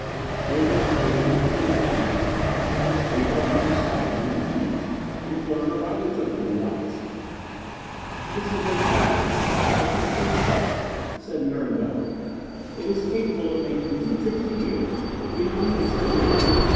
It was about 300 feet in diameter and it was tapered on two sides into tees which Larner rightly took to be lights. "This is a targo, our type of space flyer," said Nern Bela. "It is capable of making two trips a year between Venus and the earth.